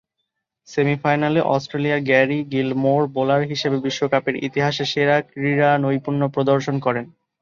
সেমি-ফাইনালে অস্ট্রেলিয়ার Gary Gilmour bowler হিসেবে বিশ্বকাপের ইতিহাসে সেরা ক্রীড়া নৈপুণ্য প্রদর্শন করেন।